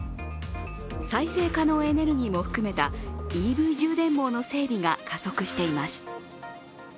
再生可能エネルギーも含めたＥＶ充電網の整備が加速しています。